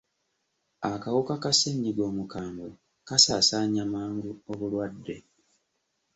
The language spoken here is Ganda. Akawuka ka ssenyiga omukambwe kasaasaanya mangu obulwadde.